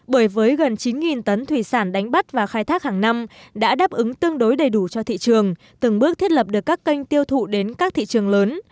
bởi với gần chín tấn thủy sản đánh bắt và khai thác hàng năm đã đáp ứng tương đối đầy đủ cho thị trường từng bước thiết lập được các kênh tiêu thụ đến các thị trường lớn